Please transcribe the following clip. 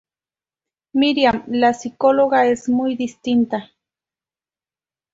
Miriam, la psicóloga, es muy distinta.